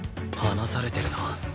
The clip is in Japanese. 離されてるな。